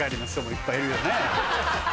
いっぱいいるよね。